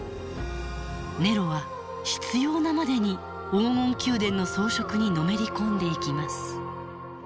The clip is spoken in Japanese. ネロは執拗なまでに黄金宮殿の装飾にのめり込んでいきます。